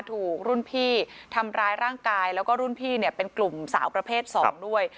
ถูกรุ่นพี่ทำร้ายร่างกายแล้วก็รุ่นพี่เนี่ยเป็นกลุ่มสาวประเภท๒ด้วย